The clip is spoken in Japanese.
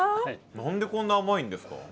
何でこんな甘いんですか？